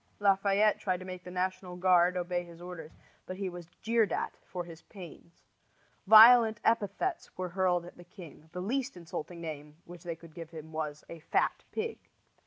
Lafayette tried to make the National Guard obey his orders, but he was jeered at for his pains. Violent epithets were hurled at the king. The least insulting name which they could give him was "a fat pig."